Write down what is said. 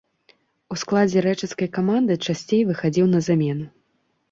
У складзе рэчыцкай каманды часцей выхадзіў на замену.